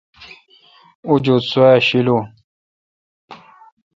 اوجوت سوا شی لو۔